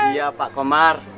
iya pak komar